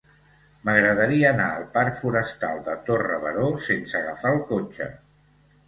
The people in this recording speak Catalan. M'agradaria anar al parc Forestal de Torre Baró sense agafar el cotxe.